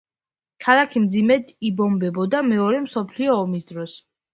ქალაქი მძიმედ იბომბებოდა მეორე მსოფლიო ომის დროს.